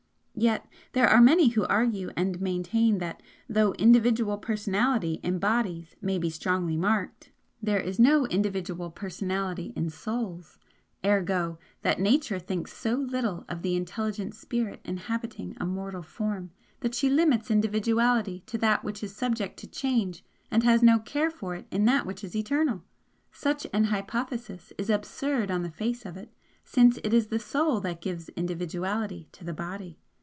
Yet there are many who argue and maintain that though individual personality in bodies may be strongly marked, there is no individual personality in souls ergo, that Nature thinks so little of the intelligent Spirit inhabiting a mortal form that she limits individuality to that which is subject to change and has no care for it in that which is eternal! Such an hypothesis is absurd on the face of it, since it is the Soul that gives individuality to the Body.